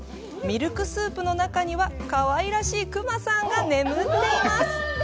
ミルクスープの中にはかわらしいクマさんが眠っています。